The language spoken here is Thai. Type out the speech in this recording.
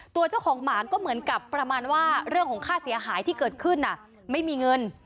ตัวเจ้าของหมาก็เหมือนกับประมาณว่าเรื่องของค่าเสียหายที่เกิดขึ้นไม่มีเงิน